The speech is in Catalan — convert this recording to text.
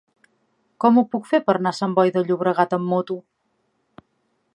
Com ho puc fer per anar a Sant Boi de Llobregat amb moto?